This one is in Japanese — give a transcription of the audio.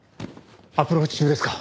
アプローチ中ですか？